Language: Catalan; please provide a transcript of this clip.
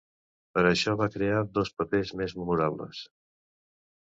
Per a això, va crear dos papers més memorables.